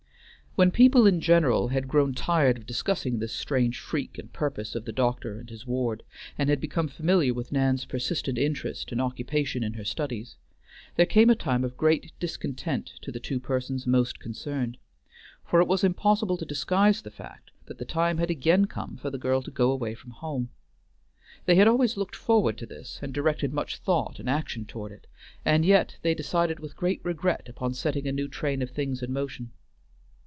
When people in general had grown tired of discussing this strange freak and purpose of the doctor and his ward, and had become familiar with Nan's persistent interest and occupation in her studies, there came a time of great discontent to the two persons most concerned. For it was impossible to disguise the fact that the time had again come for the girl to go away from home. They had always looked forward to this, and directed much thought and action toward it, and yet they decided with great regret upon setting a new train of things in motion.